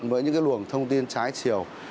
với những luồng thông tin trái chiều